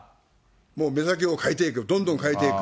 もう目先を変えていく、どんどんかえていく。